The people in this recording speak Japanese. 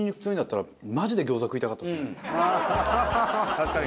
確かに。